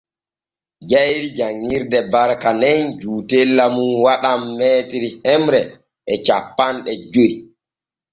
Jayri janŋirde Barka nen juutella mum waɗan m hemre e cappanɗe joy.